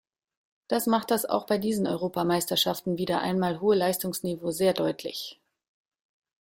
Das macht das auch bei diesen Europameisterschaften wieder einmal hohe Leistungsniveau sehr deutlich.